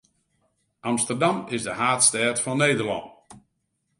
Amsterdam is de haadstêd fan Nederlân.